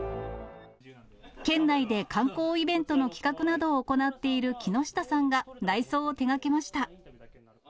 県内で観光イベントの企画などを行っている樹下さんが、内装を手がけました。